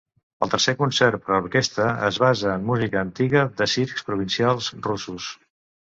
El tercer Concert per a Orquestra es basa en música antiga de circs provincials russos.